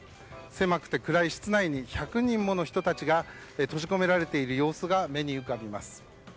狭くて暗い室内に１００人もの人たちが閉じ込められている様子が目に浮かびます。